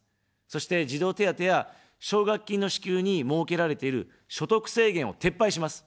そして、児童手当や奨学金の支給に設けられている所得制限を撤廃します。